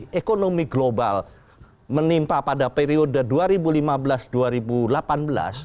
karena ekonomi global menimpa pada periode dua ribu lima belas dua ribu delapan belas